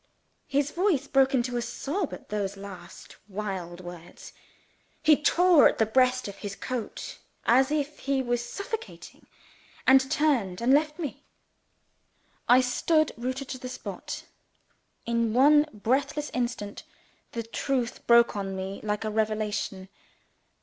His voice broke into a sob at those last wild words. He tore at the breast of his coat as if he was suffocating and turned, and left me. I stood rooted to the spot. In one breathless instant, the truth broke on me like a revelation.